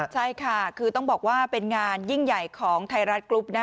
ใช่ค่ะคือต้องบอกว่าเป็นงานยิ่งใหญ่ของไทยรัฐกรุ๊ป